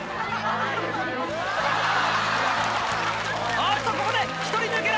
あっとここで１人抜け出した！